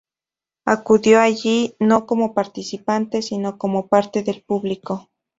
Acudió allí no como participante, sino como parte del público.